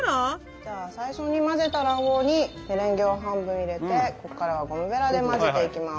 じゃあ最初に混ぜた卵黄にメレンゲを半分入れてここからはゴムベラで混ぜていきます。